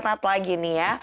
terdekat lagi nih ya